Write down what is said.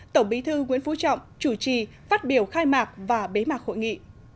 tổng bí thư nguyễn phú trọng chủ trì phát biểu khai mạc và bế mạc hội nghị